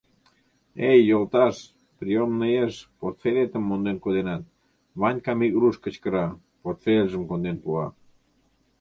— Эй, йолташ, приёмныеш портфелетым монден коденат, — Ванькам ик руш кычкыра, портфельжым конден пуа.